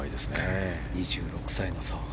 ２６歳の差。